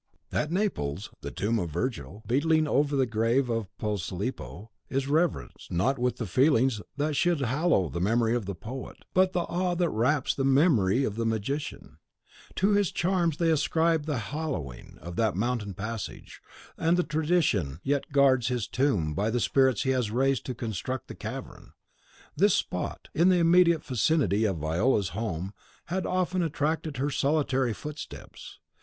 At Naples, the tomb of Virgil, beetling over the cave of Posilipo, is reverenced, not with the feelings that should hallow the memory of the poet, but the awe that wraps the memory of the magician. To his charms they ascribe the hollowing of that mountain passage; and tradition yet guards his tomb by the spirits he had raised to construct the cavern. This spot, in the immediate vicinity of Viola's home, had often attracted her solitary footsteps.